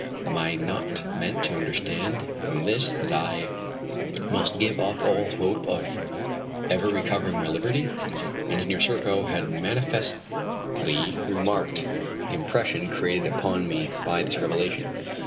Am I not meant to understand from this that I must give up all hope of ever recovering my liberty? Engineer Serko had manifestly remarked the impression created upon me by this revelation.